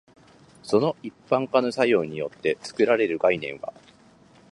その一般化の作用によって作られる概念は、